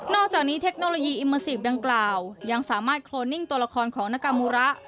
อกจากนี้เทคโนโลยีอิมเมอร์ซีฟดังกล่าวยังสามารถโคลนิ่งตัวละครของนกามูระ